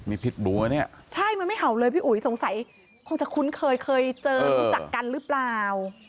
มีพิษบูปะเนี่ยใช่มันไม่เห่าเลยพี่อุ๋ยสงสัยคงจะคุ้นเคยเคยเจอรู้จักกันหรือเปล่า